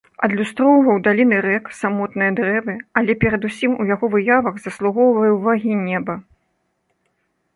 Адлюстроўваў даліны рэк, самотныя дрэвы, але перад усім у яго выявах заслугоўвае ўвагі неба.